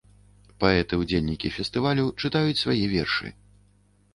Паэты-ўдзельнікі фестывалю чытаюць свае вершы.